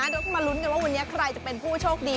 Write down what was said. เดี๋ยวก็มาลุ้นกันว่าวันนี้ใครจะเป็นผู้โชคดี